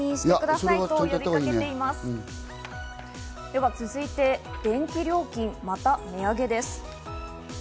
では続いて、電気料金、また値上げです。